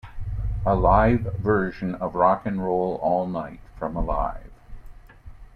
A live version of "Rock and Roll All Nite" from "Alive!